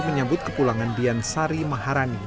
menyambut ke pulangan dian sari maharani